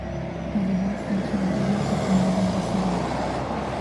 Además, en su entorno se acumulan residuos.